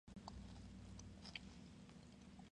Se desempeña en Primera División de fútbol femenino de Chile.